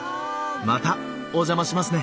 またお邪魔しますね！